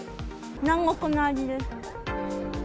南国の味です。